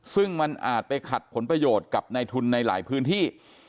ซึ่งมันอาจไปขัดผลประโยชน์กับในทุนในหลายพื้นที่